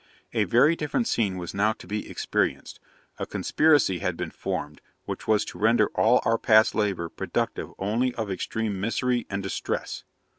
A very different scene was now to be experienced. A conspiracy had been formed, which was to render all our past labour productive only of extreme misery and distress.